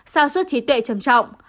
sao suốt trí tuệ trầm trọng